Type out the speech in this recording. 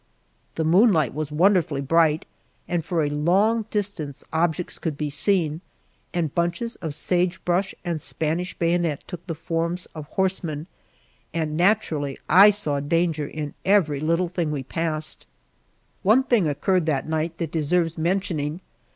The moonlight was wonderfully bright, and for a long distance objects could be seen, and bunches of sage bush and Spanish bayonet took the forms of horsemen, and naturally I saw danger in every little thing we passed. One thing occurred that night that deserves mentioning.